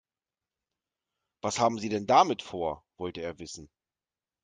Was haben Sie denn damit vor?, wollte er wissen.